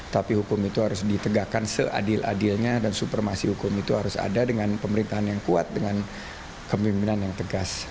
tapi hukum itu harus ditegakkan seadil adilnya dan supermasi hukum itu harus ada dengan pemerintahan yang kuat dengan kemimpinan yang tegas